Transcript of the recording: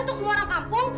untuk semua orang kampung